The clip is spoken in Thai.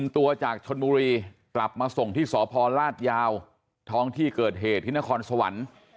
ตัวจากชนบุรีกลับมาส่งที่สพลาดยาวท้องที่เกิดเหตุที่นครสวรรค์